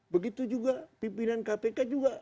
begitu juga pimpinan kpk juga